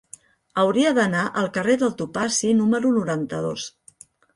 Hauria d'anar al carrer del Topazi número noranta-dos.